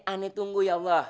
aneh tunggu ya allah